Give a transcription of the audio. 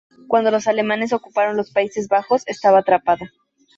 Cuando los alemanes ocuparon los Países Bajos, estaba atrapada.